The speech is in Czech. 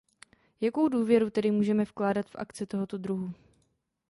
Jakou důvěru tedy můžeme vkládat v akce tohoto druhu?